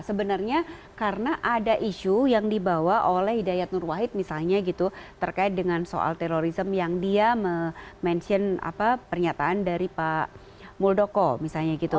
sebenarnya karena ada isu yang dibawa oleh hidayat nur wahid misalnya gitu terkait dengan soal terorisme yang dia mention pernyataan dari pak muldoko misalnya gitu